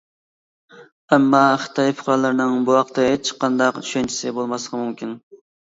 ئەمما خىتاي پۇقرالىرىنىڭ بۇ ھەقتە ھېچقانداق چۈشەنچىسى بولماسلىقى مۇمكىن.